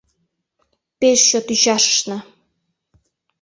Пеш чот ӱчашышна.